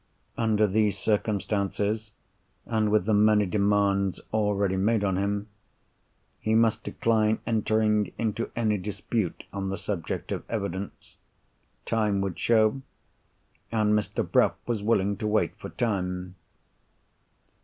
Under these circumstances, and with the many demands already made on him, he must decline entering into any disputes on the subject of evidence. Time would show; and Mr. Bruff was willing to wait for time.